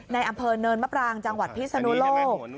ในอำเภอเนินมะปรางจังหวัดพิศนุโลก